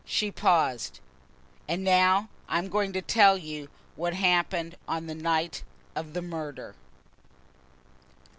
She paused. "And now I am going to tell you what happened on the night of the murder."